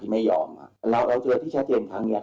ไม่ใช่กิจการขนาดใหญ่